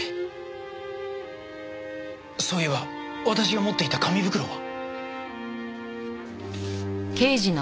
そういえば私が持っていた紙袋は？